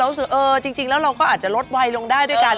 รู้สึกเออจริงแล้วเราก็อาจจะลดไวลงได้ด้วยกัน